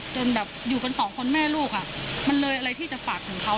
จนแบบอยู่กันสองคนแม่ลูกอ่ะมันเลยอะไรที่จะฝากถึงเขา